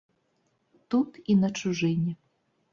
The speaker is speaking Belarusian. Тут і на чужыне.